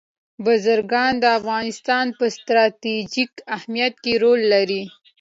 بزګان د افغانستان په ستراتیژیک اهمیت کې رول لري.